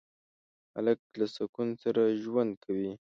هلک له سکون سره ژوند کوي.